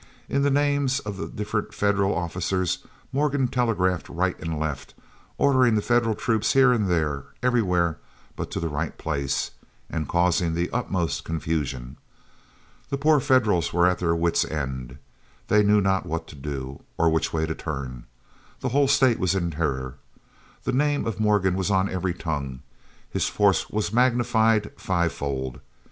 In the names of the different Federal officers Morgan telegraphed right and left, ordering the Federal troops here and there, everywhere but to the right place, and causing the utmost confusion. The poor Federals were at their wits' end; they knew not what to do, or which way to turn. The whole state was in terror. The name of Morgan was on every tongue; his force was magnified fivefold.